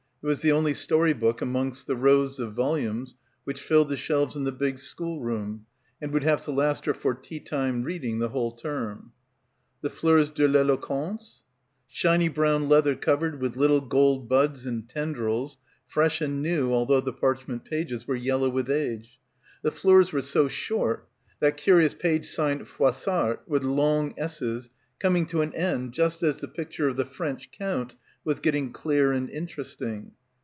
It was, the only story book amongst the rows of volumes which filled the shelves in the big schoolroom and would have to last her for tea time reading the whole term. The "Fleurs de l'Eloquence?" Shiny brown leather covered with little gold buds and tendrils, fresh and new although the parchment pages were yellow with age. The Fleurs were so short ... that curious page signed "Froissart" with long s's, coming to an end just as the picture of the French court was getting clear and interesting.